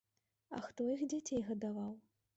А хто іх дзяцей гадаваў?